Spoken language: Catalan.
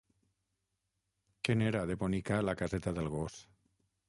Que n'era, de bonica, la caseta del gos!